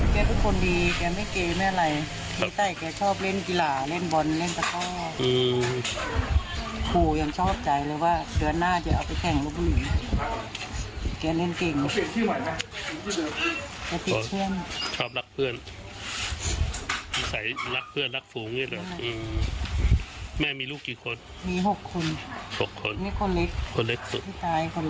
มีลูกกี่คนมี๖คน๖คนนี่คนเล็กคนเล็กสุดคนเล็กสุดคนเล็กสุด